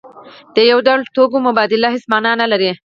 د یو ډول توکو مبادله هیڅ مانا نلري.